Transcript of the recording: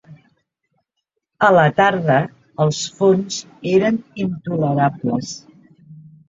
A la tarda, els fons eren intolerables.